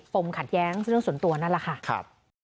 ขัดแย้งเรื่องส่วนตัวนั่นแหละค่ะ